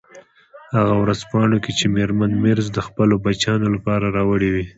هغه ورځپاڼو کې چې میرمن مېرز د خپلو بچیانو لپاره راوړي وې.